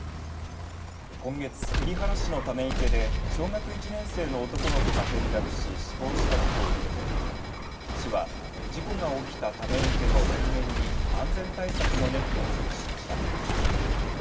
今月、栗原市のため池で小学１年生の男の子が転落し死亡した事故を受けて市は、事故が起きたため池ののり面に安全対策のネットを設置しました。